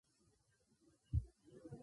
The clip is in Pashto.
ژبه زموږ د فرهنګي میراث برخه ده.